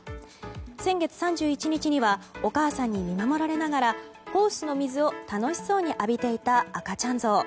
先月３１日にはお母さんに見守られながらホースの水を楽しそうに浴びていた赤ちゃんゾウ。